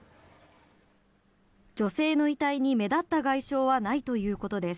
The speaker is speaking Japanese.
女性の遺体に目立った外傷はないということです。